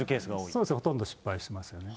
そうですね、ほとんど失敗しますよね。